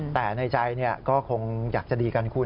แต่ในใจก็คงอยากจะดีกันคุณ